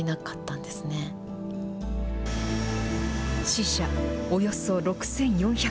死者およそ６４００人。